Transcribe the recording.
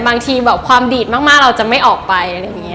บางทีความดีดมากเราจะไม่ออกไป